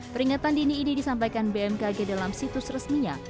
peringatan dini ini disampaikan bmkg dalam situs resminya